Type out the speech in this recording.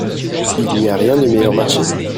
Il n'y a rien de meilleur marché ?